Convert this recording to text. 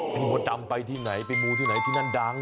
เป็นมดดำไปที่ไหนไปมูที่ไหนที่นั่นดัง